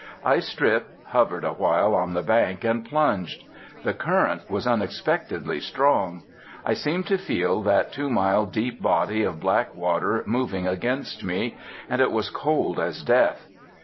I stripped, hovered a while on the brink, and plunged. The current was unexpectedly strong. I seemed to feel that two mile deep body of black water moving against me. And it was cold as death.